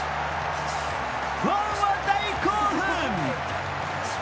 ファンは大興奮。